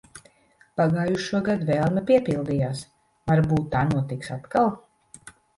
Pagājušogad vēlme piepildījās. Varbūt tā notiks atkal.